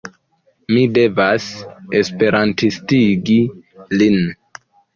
Mi devas esperantistigi lin.